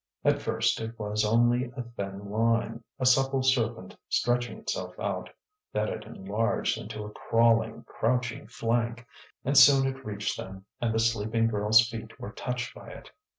At first it was only a thin line, a supple serpent stretching itself out; then it enlarged into a crawling, crouching flank; and soon it reached them, and the sleeping girl's feet were touched by it.